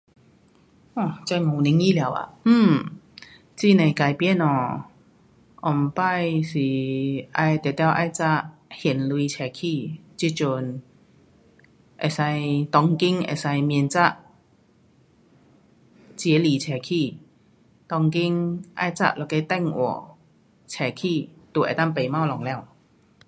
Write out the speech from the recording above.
um 这五年以内啊，um 很多改变哦。以前是要一定要带现钱出去，这阵可以，当今可以免带钱来出去，当今要带一个电话出去就能够买东西了。